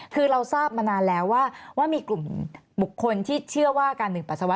คือเราทราบมานานแล้วว่ามีกลุ่มบุคคลที่เชื่อว่าการหนึ่งปัสสาวะ